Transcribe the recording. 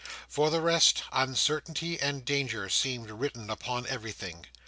For the rest, uncertainty and danger seemed written upon everything.